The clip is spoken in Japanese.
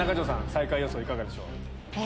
最下位予想いかがでしょう？